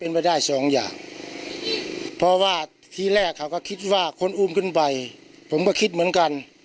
เป็นไปได้สองอย่างเพราะว่าทีแรกเขาก็คิดว่าคนอุ้มขึ้นไปผมก็คิดเหมือนกัน